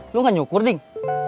lu gak nyukur ding